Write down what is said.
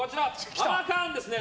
ハマカーンですね。